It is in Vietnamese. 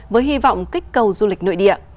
với hy vọng kích cầu du lịch nội địa